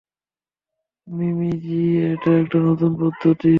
মিমি জি, এটা একটা নতুন পদ্ধতি।